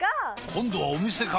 今度はお店か！